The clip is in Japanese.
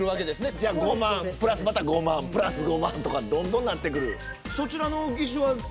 じゃあ５万プラスまた５万プラス５万とかどんどんなってくる。